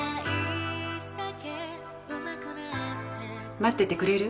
待っててくれる？